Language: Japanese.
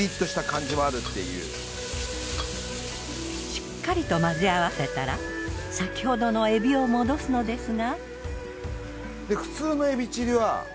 しっかりと混ぜ合わせたら先ほどのエビを戻すのですが。